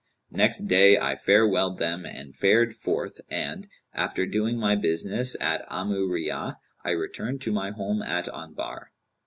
Next day I farewelled them and fared forth and, after doing my business at 'Amuriyah, I returned to my home at Anbar.